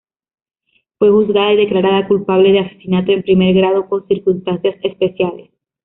Fue juzgada y declarada culpable de asesinato en primer grado con circunstancias especiales.